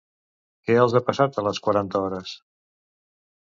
Què els ha passat a les Quaranta Hores?